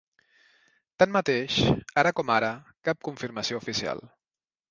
Tanmateix, ara com ara, cap confirmació oficial.